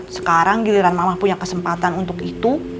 sekarang giliran mamah punya kesempatan untuk itu